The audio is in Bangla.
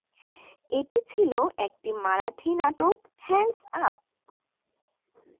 এটি ছিল একটি মারাঠি নাটক "হ্যান্ডস আপ"।